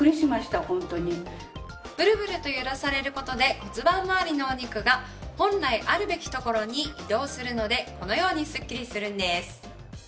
ブルブルと揺らされる事で骨盤まわりのお肉が本来あるべきところに移動するのでこのようにすっきりするんです。